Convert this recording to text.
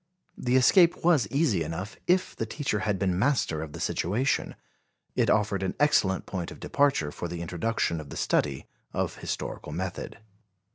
The escape was easy enough, if the teacher had been master of the situation. It offered an excellent point of departure for the introduction of the study of historical method.